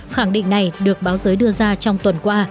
khẳng định này được báo giới đưa ra trong tuần qua